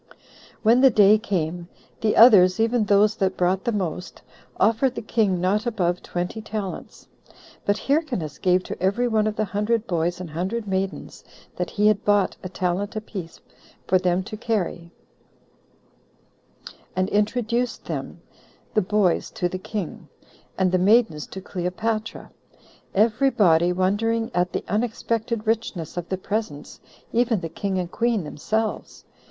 When the day came, the others, even those that brought the most, offered the king not above twenty talents; but Hyrcanus gave to every one of the hundred boys and hundred maidens that he had bought a talent apiece, for them to carry, and introduced them, the boys to the king, and the maidens to Cleopatra; every body wondering at the unexpected richness of the presents, even the king and queen themselves.